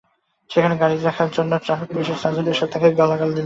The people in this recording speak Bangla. সেখানে গাড়ি রাখার জন্য ট্রাফিক পুলিশের সার্জেন্ট এরশাদ তাঁকে গালাগাল দেন।